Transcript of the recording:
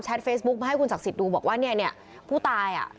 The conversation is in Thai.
เฟซบุ๊กมาให้คุณศักดิ์สิทธิ์ดูบอกว่าเนี่ยเนี่ยผู้ตายอ่ะ